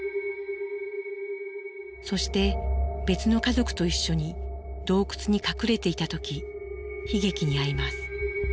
そして別の家族と一緒に洞窟に隠れていた時悲劇に遭います。